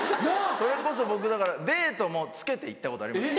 それこそ僕だからデートも着けて行ったことありますね。